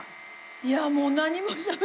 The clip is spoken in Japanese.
いやあもう何もしゃべれない。